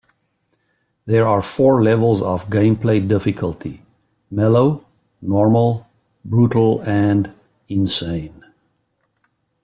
There are four levels of gameplay difficulty: Mellow, Normal, Brutal, and Insane.